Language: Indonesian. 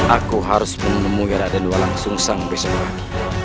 aku harus menemui raden walang susang besok